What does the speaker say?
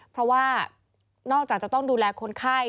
เพราะว่านอกจากจะต้องดูแลคนไข้